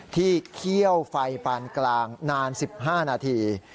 เคี่ยวไฟปานกลางนาน๑๕นาที